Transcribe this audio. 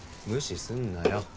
無視すんなよ